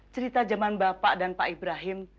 cerita zaman bapak dan pak ibrahim